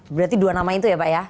berarti dua nama itu ya pak ya